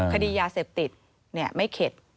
คดียาเสพติดไม่เข็ด